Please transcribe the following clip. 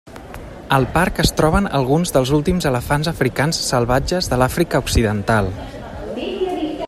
El parc es troben alguns dels últims elefants africans salvatges de l'Àfrica occidental.